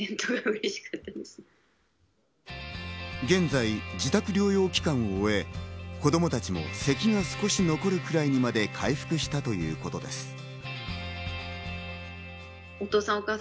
現在、自宅療養期間を終え、子供たちも咳の少し残るくらいにまで回復したということです。